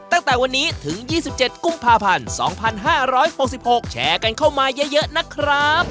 ตั้งแต่วันนี้ถึงยี่สิบเจ็ดกุมภาพันธ์สองพันธ์ห้าร้อยหกสิบหกแชร์กันเข้ามาเยอะเยอะนะครับ